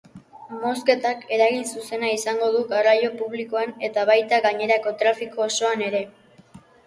Mozketak eragin zuzena izango du garraio publikoan eta baita gainerako trafiko osoan ere.